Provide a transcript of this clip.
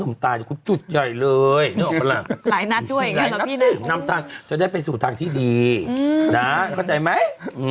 นำทางจะได้ไปสู่ทางที่ดีนะเข้าใจไหม